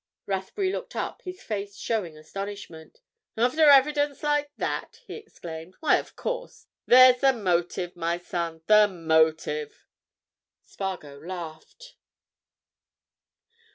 Rathbury looked up. His face showed astonishment. "After evidence like that!" he exclaimed. "Why, of course. There's the motive, my son, the motive!" Spargo laughed.